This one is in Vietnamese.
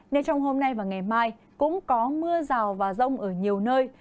nên trong hôm nay và ngày mai cũng có mưa rào và rông ở nhiều nơi